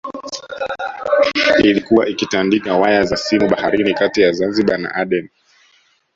Ilikuwa ikitandika waya za simu baharini kati ya Zanzibar na Aden